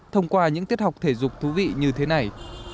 thông qua những tiết học thể dục thú vị như thế này